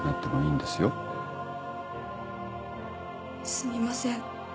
すみません。